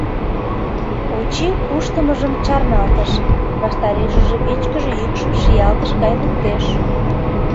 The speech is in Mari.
Очи куштымыжым чарналтыш, ваштарешыже вичкыж йӱкшым шиялтыш гай луктеш.